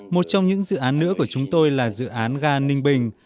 một trong những dự án nữa của chúng tôi là dự án ga ninh bình